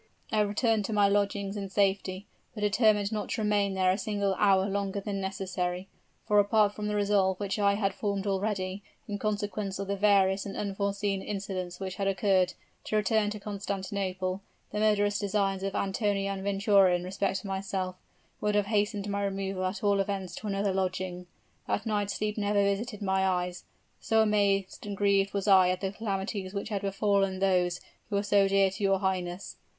"I returned to my lodgings in safety, but determined not to remain there a single hour longer than necessary. For apart from the resolve which I had formed already, in consequence of the various and unforeseen incidents which had occurred, to return to Constantinople, the murderous designs of Antonio and Venturo in respect to myself, would have hastened my removal at all events to another lodging. That night sleep never visited my eyes so amazed and grieved was I at the calamities which had befallen those who were so dear to your highness.